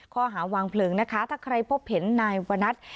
ข้อหาวางเพลิงนะคะถ้าใครพบเห็นนายวนัท